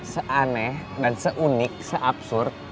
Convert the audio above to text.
seaneh dan seunik seabsurd